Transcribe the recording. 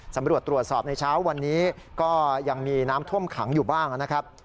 สำรวจตรวจสอบในเช้าวันนี้ก็ยังมีน้ำท่วมขังอยู่บ้างนะครับ